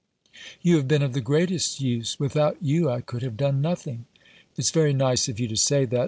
"You have been of the greatest use — without you I could have done nothing." "It's very nice of you to say that.